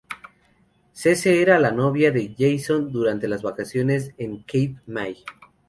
CeCe era la novia de Jason durante las vacaciones en Cape May.